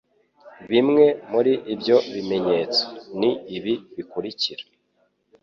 Bimwe muri ibyo bimenyetso ni ibi bikurikira